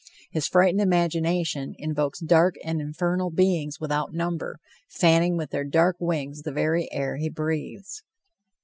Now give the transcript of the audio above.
His frightened imagination invokes dark and infernal beings without number, fanning with their dark wings the very air he breathes.